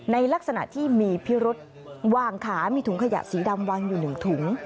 ในลักษณะที่มีพิรุษวางขามีถุงขยะสีดำวางอยู่๑ถุง